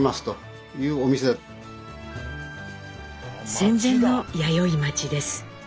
戦前の弥生町です。